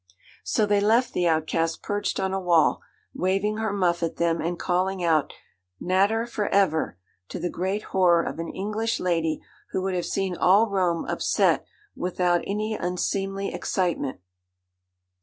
So they left the outcast perched on a wall, waving her muff at them, and calling out, 'Nater for ever!' to the great horror of an English lady, who would have seen all Rome upset without any unseemly excitement.